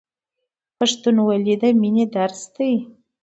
پښتونولي د مینې درس دی.